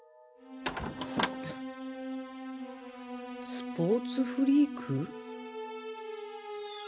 スポーツフリーク？